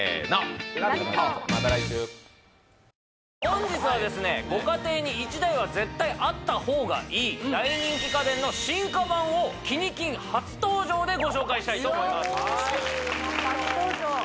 本日はですねご家庭に一台は絶対あった方がいい大人気家電の進化版をキニ金初登場でご紹介したいと思いますよっ！